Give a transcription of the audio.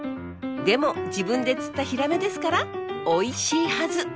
でも自分で釣ったヒラメですからおいしいはず！